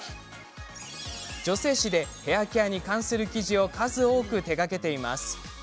女性誌でヘアケアに関する記事を数多く手がけています。